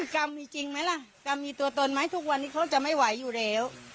กรรมมีจริงไหมล่ะกรรมมีตัวตนไหมทุกวันนี้เขาจะไม่ไหวอยู่แล้ว